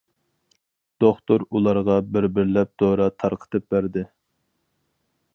دوختۇر ئۇلارغا بىر-بىرلەپ دورا تارقىتىپ بەردى.